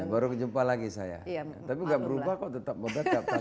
baru jumpa lagi saya tapi gak berubah kok tetap bebas